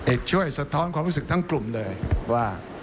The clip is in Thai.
เอกช่วยสะท้อนความรู้สึกทั้งกลุ่มเลยว่า